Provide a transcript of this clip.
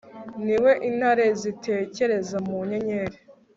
Niwe intare zitekereza mu nyenyeri